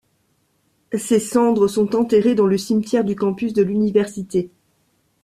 Ses cendres sont enterrées dans le cimetière du Campus de l'Université.